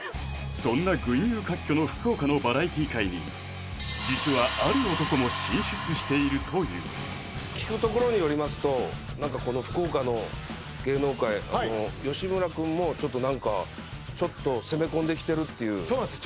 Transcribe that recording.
そんな群雄割拠の福岡のバラエティー界に実はある男も進出しているという聞くところによりますと何かこの福岡の芸能界あの吉村くんもちょっと何かちょっと攻め込んできてるっていうそうなんです